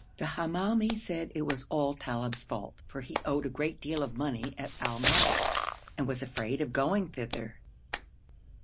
The Hamoumi said it was all Talib's fault, for he owed a great deal of money at Al Madi, and was afraid of going thither.